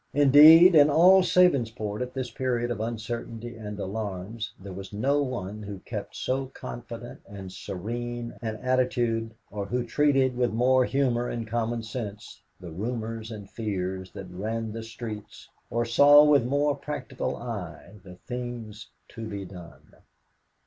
Indeed, in all Sabinsport at this period of uncertainty and alarms there was no one who kept so confident and serene an attitude or who treated with more humor and commonsense the rumors and fears that ran the streets or saw with more practical eye the things to be done.